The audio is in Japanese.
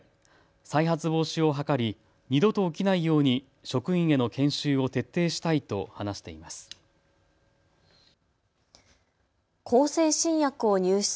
再発防止を図り二度と起きないように職員への研修を徹底したいと話しています。